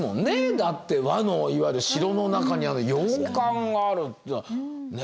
だって和のいわゆる城の中にあの洋館があるというのは。